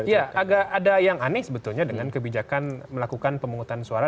ya agak ada yang aneh sebetulnya dengan kebijakan melakukan pemungutan suara